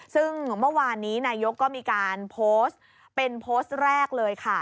ซึ่งเมื่อวานนี้นายกก็มีการโพสต์เป็นโพสต์แรกเลยค่ะ